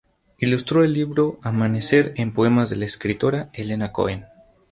Ilustró el libro Amanecer en Poemas de la Escritora Elena Kohen.